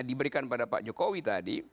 diberikan pada pak jokowi tadi